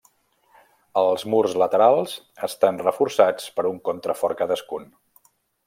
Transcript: Els murs laterals estan reforçats per un contrafort cadascun.